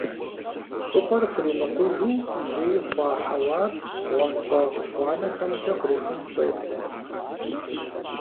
ЩIыпIэр хуримыкъужу лей хъуа хьэуар бгъуэнщIагъ гъуанэхэмкIэ кърихун щIедзэ.